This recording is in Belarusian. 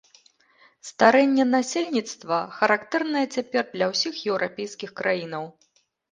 Старэнне насельніцтва характэрнае цяпер для ўсіх еўрапейскіх краінаў.